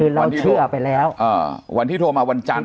คือเราเชื่อไปแล้ววันที่โทรมาวันจันทร์